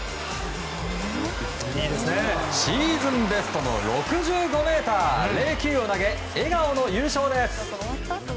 シーズンベストの６５ｍ０９を投げ、笑顔の優勝です。